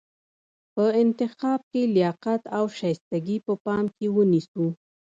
په انتخاب کې لیاقت او شایستګي په پام کې ونیسو.